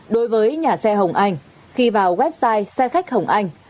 đối với nhà xe hồng anh khi vào website xe khách hồng anh